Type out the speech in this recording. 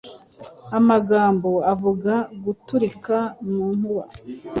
Amagambo avuga, guturika mu nkuba